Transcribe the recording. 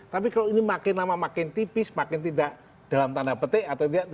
tapi kalau ini makin lama makin tipis makin tidak dalam tanda petik atau tidak